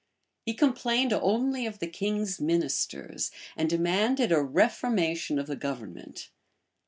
He complained only of the king's ministers, and demanded a reformation of the government.